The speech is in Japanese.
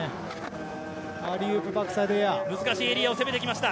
難しいエリアを攻めてきました。